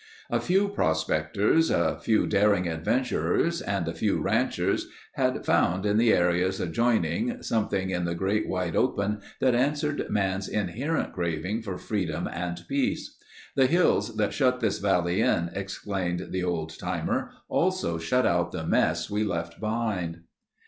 A few prospectors, a few daring adventurers and a few ranchers had found in the areas adjoining, something in the great Wide Open that answered man's inherent craving for freedom and peace. "The hills that shut this valley in," explained the old timer, "also shut out the mess we left behind."